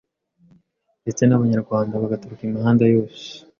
ndetse ngo n’abanyarwanda bagaturuka imihanda yose